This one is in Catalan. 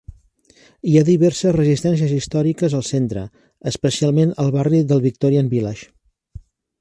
Hi ha diverses residències històriques al centre, especialment al barri del Victorian Village.